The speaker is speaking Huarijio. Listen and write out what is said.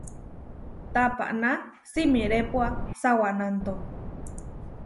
Tapaná simirépua sawanánto?